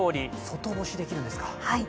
外干しできるんですか？